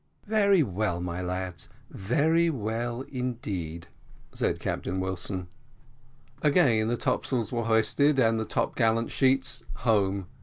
"Very well, my lads, very well indeed," said Captain Wilson. Again the topsails were hoisted and top gallant sheets home.